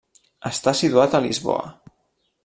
Està situat a Lisboa.